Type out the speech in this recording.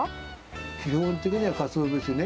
基本的にはカツオ節ね。